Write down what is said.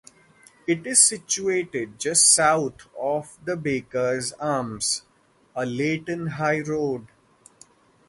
It is situated just south of the Bakers Arms, on Leyton High Road.